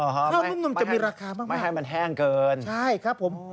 อ๋อฮะข้าวนุ่มนุ่มจะมีราคามากไม่ให้มันแห้งเกินใช่ครับผม